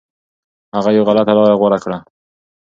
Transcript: هغه یو غلطه لاره غوره کړه.